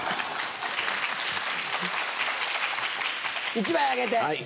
１枚あげて。